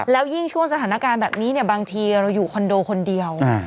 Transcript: แล้วยิ่งช่วงสถานการณ์แบบนี้บางทีเราอยู่คอนโดคนเดียว